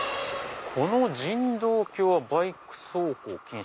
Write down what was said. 「この人道橋はバイク走行禁止。